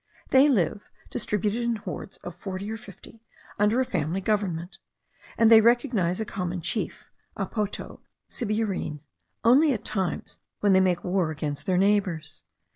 They live, distributed in hordes of forty or fifty, under a family government; and they recognise a common chief (apoto, sibierene) only at times when they make war against their neighbours.